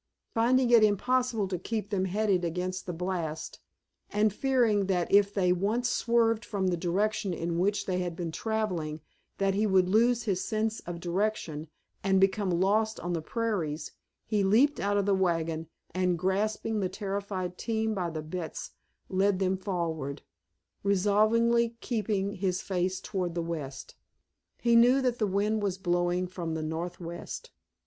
Finding it impossible to keep them headed against the blast, and fearing that if they once swerved from the direction in which they had been traveling that he would lose his sense of direction and become lost on the prairies, he leaped out of the wagon, and grasping the terrified team by the bits led them forward, resolutely keeping his face toward the west. He knew that the wind was blowing from the northwest.